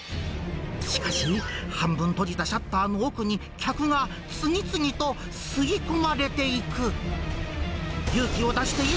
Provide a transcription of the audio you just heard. しかし、半分閉じたシャッターの奥に客が次々と吸い込まれていく。